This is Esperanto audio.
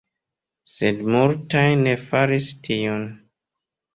Sed multaj ne faris tion.